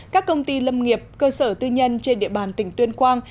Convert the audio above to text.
các công ty lâm nghiệp cơ sở tư nhân trên địa bàn tỉnh tuyên quang